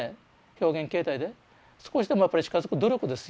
表現形態で少しでもやっぱり近づく努力ですよね。